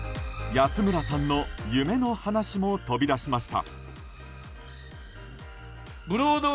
安村さんの夢の話も飛び出しました。